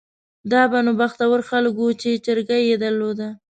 دا به نو بختور خلک وو چې چرګۍ یې درلوده.